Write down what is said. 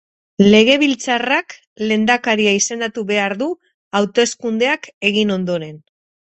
Legebiltzarrak Lehendakaria izendatu behar du hauteskundeak egin ondoren.